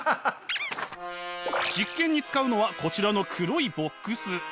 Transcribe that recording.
実験に使うのはこちらの黒いボックス。